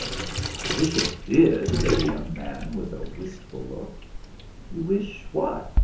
"I wish it did," said the young man, with a wistful look. "You wish what?"